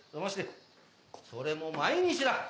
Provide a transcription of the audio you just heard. それも毎日だ！